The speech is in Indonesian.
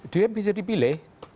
dia bisa dipilih